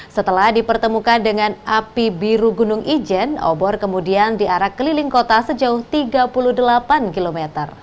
setelah dipertemukan dengan api biru gunung ijen obor kemudian diarak keliling kota sejauh tiga puluh delapan km